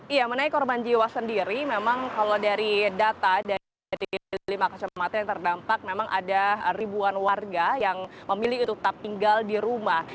iya menai korban jiwa sendiri memang kalau dari data dari lima kecamatan yang terdampak memang ada ribuan warga yang memilih untuk tetap tinggal di rumah